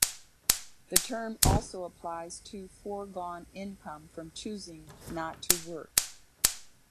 The term also applies to foregone income from choosing not to work.